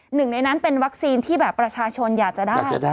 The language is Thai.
หนึ่งในนั้นเป็นวัคซีนที่แบบประชาชนอยากจะได้